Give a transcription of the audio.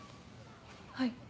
はい。